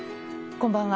こんばんは。